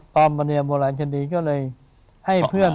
ตอนมณีบุราชดีก็เลย